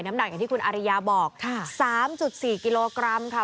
หนักอย่างที่คุณอาริยาบอก๓๔กิโลกรัมค่ะ